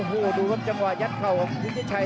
โอ้โห้ดูสำจังหวะยัดเข่าของพี่จิตชัย